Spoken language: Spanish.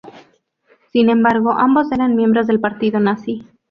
Sin embargo, ambos eran miembros del partido nazi.